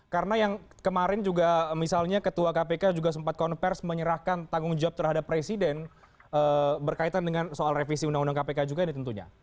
karena yang kemarin juga misalnya ketua kpk juga sempat konversi menyerahkan tanggung jawab terhadap presiden berkaitan dengan soal revisi undang undang kpk juga ini tentunya